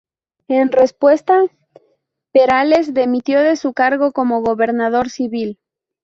En respuesta, Perales dimitió de su cargo como gobernador civil.